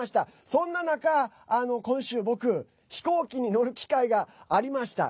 そんな中、今週、僕飛行機に乗る機会がありました。